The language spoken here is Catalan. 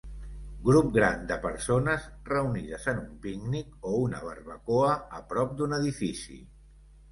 Grup gran de persones reunides en un pícnic o una barbacoa a prop d'un edifici.